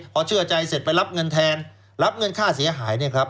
พอเชื่อใจเสร็จไปรับเงินแทนรับเงินค่าเสียหายเนี่ยครับ